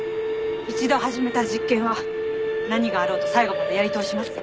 一度始めた実験は何があろうと最後までやり通します。